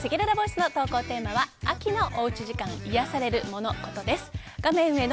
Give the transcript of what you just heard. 今週のせきららボイスの投稿テーマは秋のおうち時間いやされるモノ・コトです。